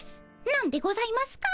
なんでございますか？